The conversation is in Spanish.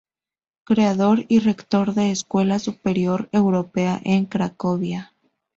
Creador y rector de Escuela Superior Europea en Cracovia.